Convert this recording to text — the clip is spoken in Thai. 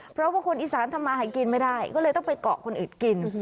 เพราะว่าคนอีสานทำมาหากินไม่ได้ก็เลยต้องไปเกาะคนอื่นกิน